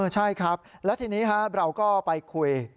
ใช่ครับแล้วทีนี้เราก็ไปคุย